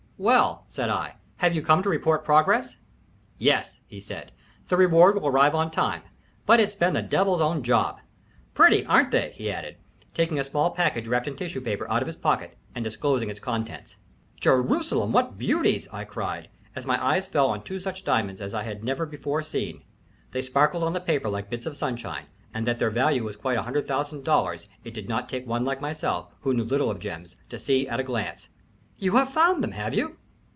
"Well," said I, "have you come to report progress?" "Yes," he said. "The reward will arrive on time, but it's been the de'il's own job. Pretty, aren't they!" he added, taking a small package wrapped in tissue paper out of his pocket, and disclosing its contents. "Gee rusalem, what beauties!" I cried, as my eyes fell on two such diamonds as I had never before seen. They sparkled on the paper like bits of sunshine, and that their value was quite $100,000 it did not take one like myself, who knew little of gems, to see at a glance. "You have found them, have you?"